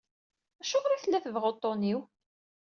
Acuɣer i tella tebɣa uṭṭun-iw?